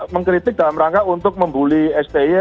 mengkritik dalam rangka untuk membuli sti